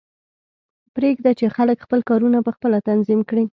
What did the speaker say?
پریږده چې خلک خپل کارونه پخپله تنظیم کړي